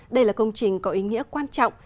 đây là công trình có ý nghĩa quan trọng